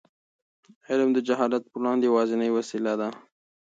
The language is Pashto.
علم د جهالت پر وړاندې یوازینۍ وسله ده.